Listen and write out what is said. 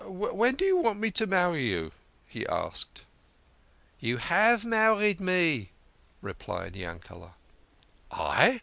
" When do you want me to marry you ?" he asked. " You have married me," replied Yankele. " I